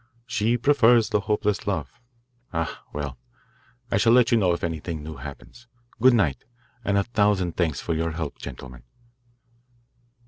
She prefers the hopeless love. Ah, well, I shall let you know if anything new happens. Good night, and a thousand thanks for your help, gentlemen."